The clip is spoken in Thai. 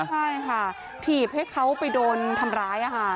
ใช่ค่ะถีบให้เขาไปโดนทำร้าย